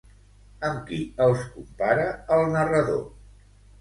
Amb qui els compara el narrador?